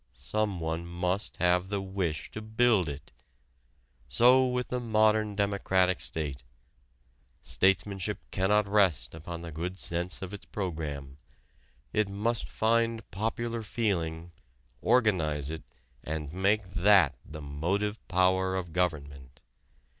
Someone must have the wish to build it. So with the modern democratic state. Statesmanship cannot rest upon the good sense of its program. It must find popular feeling, organize it, and make that the motive power of government.